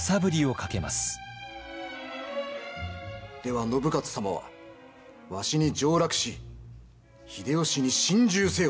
では信雄様はわしに上洛し秀吉に臣従せよと？